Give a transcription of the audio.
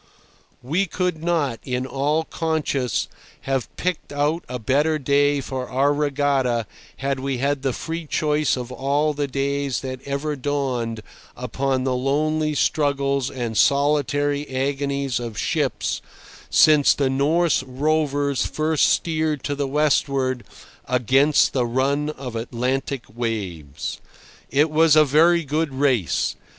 We could not, in all conscience, have picked out a better day for our regatta had we had the free choice of all the days that ever dawned upon the lonely struggles and solitary agonies of ships since the Norse rovers first steered to the westward against the run of Atlantic waves. It was a very good race.